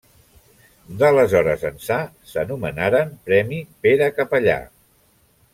D'aleshores ençà s'anomenaran Premi Pere Capellà.